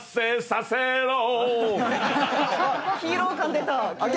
ヒーロー感出た急に。